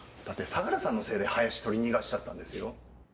だって相良さんのせいで林取り逃がしちゃったんですよ。